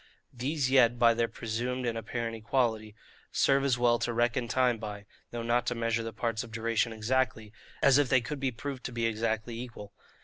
These yet, by their presumed and apparent equality, serve as well to reckon time by (though not to measure the parts of duration exactly) as if they could be proved to be exactly equal.